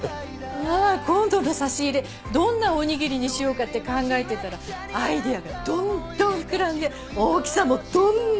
ああ今度の差し入れどんなおにぎりにしようかって考えてたらアイデアがどんどん膨らんで大きさもどんどん！